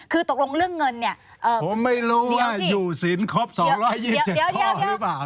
คือตกลงเรื่องเงินเนี่ยผมไม่รู้ว่าอยู่สินครบ๒๒๗ข้อหรือเปล่า